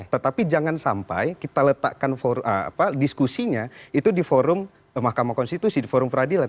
tetapi jangan sampai kita letakkan diskusinya itu di forum mahkamah konstitusi di forum peradilan